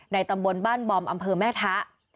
ตำบลบ้านบอมอำเภอแม่ทะ